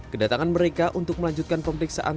kedatangan mereka untuk melanjutkan pemeriksaan